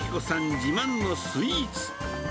自慢のスイーツ。